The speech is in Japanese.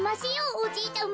おじいちゃま。